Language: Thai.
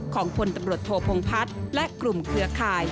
ของพลตำรวจโทพงพัฒน์และกลุ่มเครือข่าย